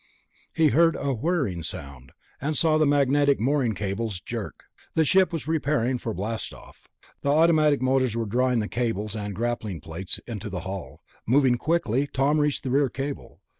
He heard a whirring sound, and saw the magnetic mooring cables jerk. The ship was preparing for blastoff. Automatic motors were drawing the cables and grappling plates into the hull. Moving quickly, Tom reached the rear cable.